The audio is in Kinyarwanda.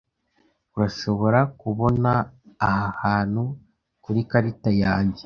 Urashobora kubona aha hantu kurikarita yanjye?